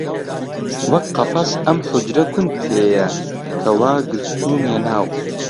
وەک قەفەس ئەم حوجرە کون تێیە کە وا گرتوومیە ناو